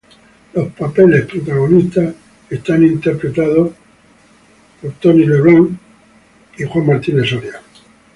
Los papeles protagonistas son interpretados por Arnold Schwarzenegger y James Earl Jones.